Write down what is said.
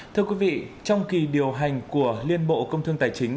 thưa quý vị trong kỳ điều hành của liên bộ công thương tài chính